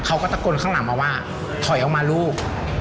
เขาก็ตะโกนข้างหลังมาว่าถอยออกมาลูก